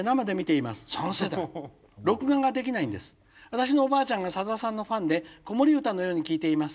私のおばあちゃんがさださんのファンで子守歌のように聴いています。